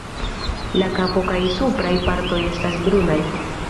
La kapo kaj supraj partoj estas brunaj.